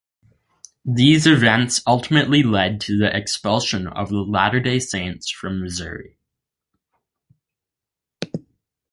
These events ultimately led to the expulsion of the Latter Day Saints from Missouri.